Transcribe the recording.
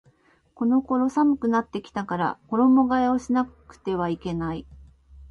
この頃寒くなってきたから衣替えをしなくてはいけない